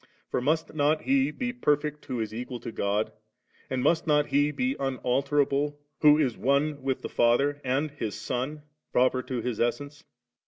For must not He be perfect who is equal to God? and must not He be unalterable, who is one with the Father, and His Son proper to His essence?